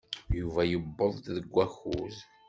Yuba yuweḍ deg wakud.